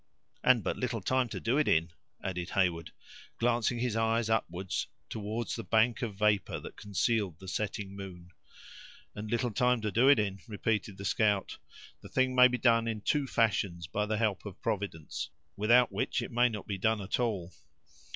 "And but little time to do it in," added Heyward, glancing his eyes upwards, toward the bank of vapor that concealed the setting moon. "And little time to do it in!" repeated the scout. "The thing may be done in two fashions, by the help of Providence, without which it may not be done at all."